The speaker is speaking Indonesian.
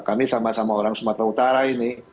kami sama sama orang sumatera utara ini